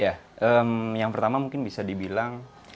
ya yang pertama mungkin bisa dibilang